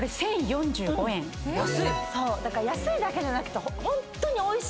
安いだけじゃなくてホントにおいしいから。